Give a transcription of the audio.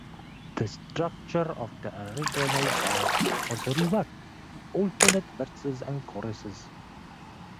The structure of the original song was reworked to alternate verses and choruses.